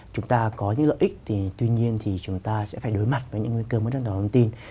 chúng ta có những lợi ích thì tuy nhiên thì chúng ta sẽ phải đối mặt với những nguy cơ mất an tin